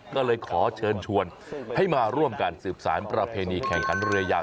ก็เลยขอเชิญชวนให้มาร่วมกันสืบสารประเพณีแข่งขันเรือยาง